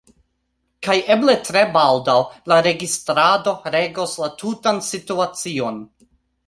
Kaj eble tre baldaŭ la registrado regos la tutan situacion